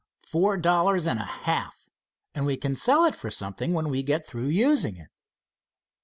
Four dollars and a half and we can sell it for something when we get through using it."